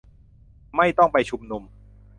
ไม่ต้องไปชุมนุม